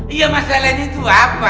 iya masalahnya itu apa